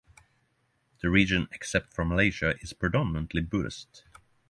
The region except for Malaysia is predominantly Buddhist.